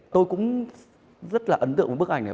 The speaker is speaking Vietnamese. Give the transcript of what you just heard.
tôi cũng rất là ấn tượng bức ảnh này